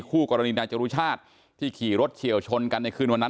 คู่กรณีนายจรุชาติที่ขี่รถเฉียวชนกันในคืนวันนั้น